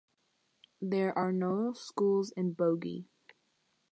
There are no schools in Bogie.